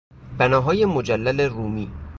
بنایهای مجلل رومی